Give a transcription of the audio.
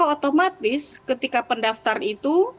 otomatis ketika pendaftar itu